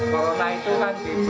corona itu kan belum diadakan di tprs